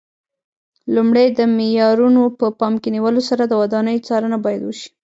لومړی د معیارونو په پام کې نیولو سره د ودانیو څارنه باید وشي.